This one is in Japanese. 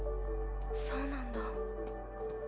そうなんだ。